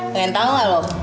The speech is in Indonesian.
pengen tau gak lo